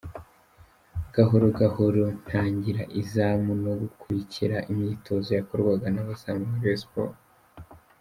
Gahoro gahoro ntangira izamu no gukurikira imyitozo yakorwaga n’abazamu ba Rayon Sports.